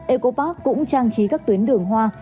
ecopark cũng trang trí các tuyến đường hoa